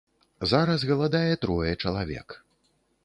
Зараз галадае трое чалавек.